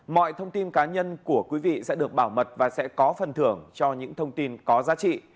mọi thông tin cá nhân của quý vị sẽ được bảo mật và sẽ có phần thưởng cho những thông tin có giá trị